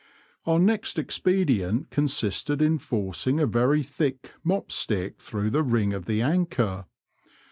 Our next expedient consisted in forcing a very thick mop stick through the ring of the anchor.